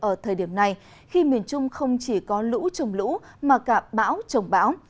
ở thời điểm này khi miền trung không chỉ có lũ trồng lũ mà cả bão trồng bão